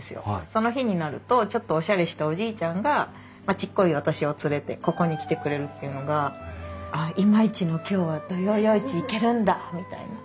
その日になるとちょっとおしゃれしたおじいちゃんがちっこい私を連れてここに来てくれるっていうのが「ああ今日は土曜夜市行けるんだ」みたいな。